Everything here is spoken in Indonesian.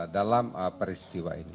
dalam peristiwa ini